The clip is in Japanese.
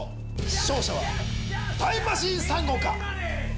勝者はタイムマシーン３号か？